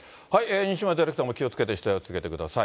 西村ディレクターも気をつけて取材を続けてください。